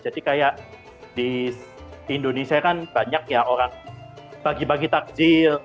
jadi kayak di indonesia kan banyak ya orang bagi bagi takjil